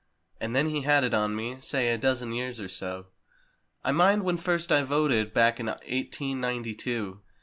And then he had it on me, say a dozen years or so. I mind when first I voted back in eighteen ninety two.